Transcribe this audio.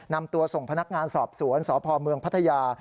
นำตัวส่งพนักงานสอบสวนสพเมืองพัทยา